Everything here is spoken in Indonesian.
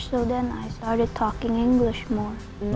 jadi saya mulai berbicara bahasa inggris lagi